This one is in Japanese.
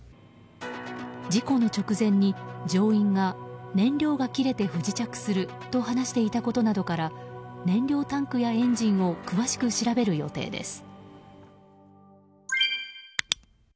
事故の直前に乗員が燃料が切れて不時着すると話していたことなどから燃料タンクやエンジンを詳しく調べる予定です。